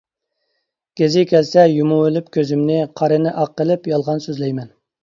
گېزى كەلسە يۇمۇۋېلىپ كۆزۈمنى، قارىنى ئاق قىلىپ يالغان سۆزلەيمەن.